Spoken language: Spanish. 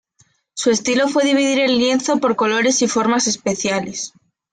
Su estilo fue dividir el lienzo por colores y formas especiales.